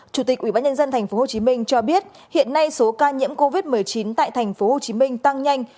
chủ tịch ubnd tp hcm cho biết hiện nay số ca nhiễm covid một mươi chín tại tp hcm tăng nhanh